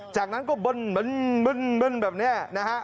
จากนั้นก็เบิ้ลแบบนี้นะฮะ